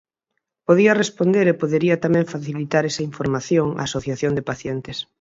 Podía responder e podería tamén facilitar esa información á Asociación de Pacientes.